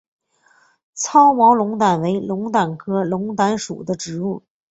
糙毛龙胆为龙胆科龙胆属的植物。